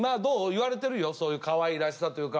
言われてるよそういうかわいらしさというか。